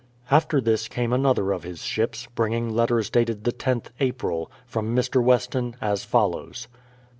After this came another of his ships, bringing letters dated the loth April, from Mr. Weston, as follows.